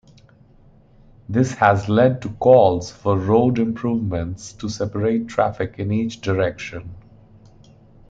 This has led to calls for road improvements to separate traffic in each direction.